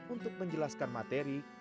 untuk menjelaskan materi